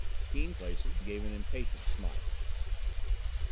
Keane Clason gave an impatient smile.